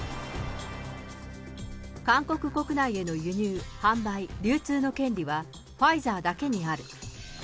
韓国国内への輸入、販売、流通の権利はファイザーだけにある。